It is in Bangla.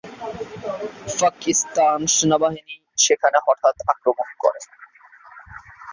পাকিস্তান সেনাবাহিনী সেখানে হঠাৎ আক্রমণ করে।